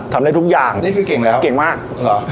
ทำได้ทุกอย่างนี่คือเก่งแล้วเก่งมากเหรอ